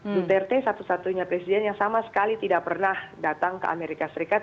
duterte satu satunya presiden yang sama sekali tidak pernah datang ke amerika serikat